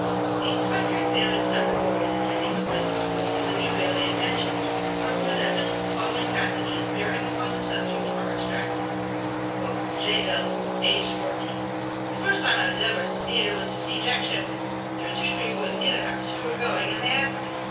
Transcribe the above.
The Inspector examined several boys attending the prison school in the New Bailey at Manchester, from whose evidence the following passages bearing upon the subject are extracted: "J. L. (aged 14). The first time I was ever at the theatre was to see Jack Sheppard. There were two or three boys near to the house who were going, and they asked me.